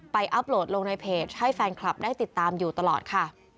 อัพโหลดลงในเพจให้แฟนคลับได้ติดตามอยู่ตลอดค่ะ